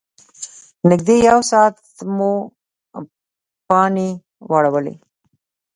نږدې یو ساعت مو پانې واړولې.